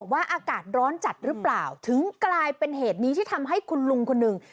อากาศร้อนจัดหรือเปล่าถึงกลายเป็นเหตุนี้ที่ทำให้คุณลุงคนหนึ่ง